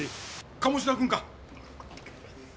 鴨志田君か。